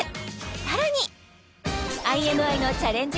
さらにＩＮＩのチャレンジ